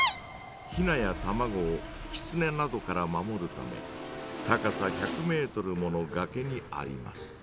ヒナや卵をキツネなどから守るため高さ１００メートルものがけにあります。